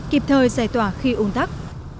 kịp thời giải tỏa khi ủng thắc